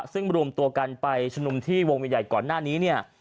ซึ่งรวมตัวกันไปชุมนุมที่วงใหญ่ก่อนหน้านี้เนี่ย